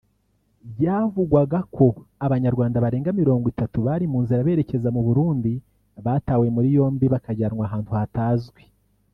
byavugwaga ko abanyarwanda barenga mirongo itatu bari mu nzira berekeza mu Burundi batawe muri yombi bakajyanwa ahantu hatazwi